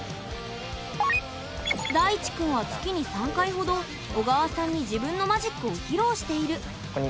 大智くんは月に３回ほど緒川さんに自分のマジックを披露している。